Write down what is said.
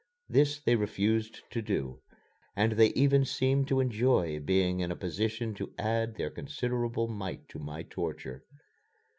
This they refused to do, and they even seemed to enjoy being in a position to add their considerable mite to my torture.